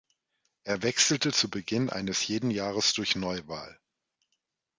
Er wechselte zu Beginn eines jeden Jahres durch Neuwahl.